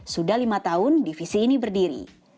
sudah lima tahun divisi ini berdiri